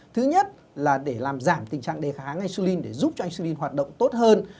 thứ nhất là để làm giảm tình trạng đề kháng insulin để giúp cho insulin hoạt động tốt hơn